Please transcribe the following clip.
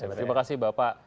terima kasih bapak